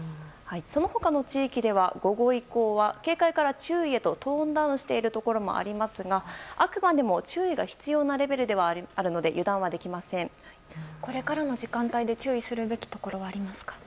その他の地域では午後以降は警戒から注意へとトーンダウンしているところもありますがあくまでも注意が必要なレベルではあるのでこれからの時間帯で注意するべきところはありますか？